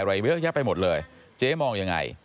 อะไรเยอะแยะไปหมดเลยเจ๊มองยังไง